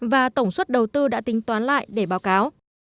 và tổng suất đầu tư đã tính toán lại để báo cáo